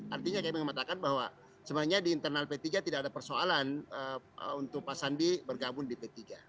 artinya kami mengatakan bahwa sebenarnya di internal p tiga tidak ada persoalan untuk pak sandi bergabung di p tiga